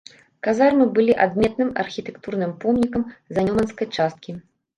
Казармы былі адметным архітэктурным помнікам занёманскай часткі.